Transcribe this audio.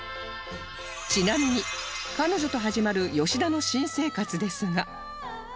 ちなみに彼女と始まる吉田の新生活ですが